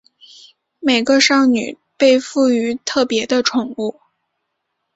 每个少女被赋与特别的宠物。